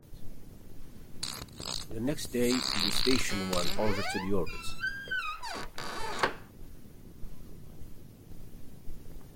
The next day, the station was ordered to deorbit.